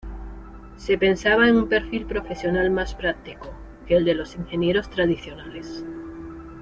Se pensaba en un perfil profesional más práctico que el de los ingenieros tradicionales.